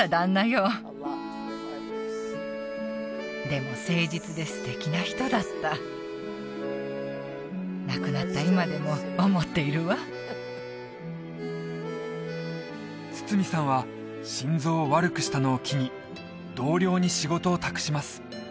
よでも誠実で素敵な人だった亡くなった今でも思っているわツツミさんは心臓を悪くしたのを機に同僚に仕事を託します